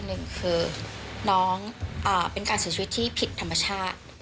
หนึ่งคือน้องเป็นการเสียชีวิตที่ผิดธรรมชาติ